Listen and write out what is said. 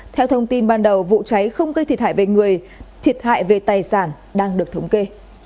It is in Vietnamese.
theo thông tin ban đầu vụ cháy không cây thịt hại về người thịt hại về tài sản đang được thống kê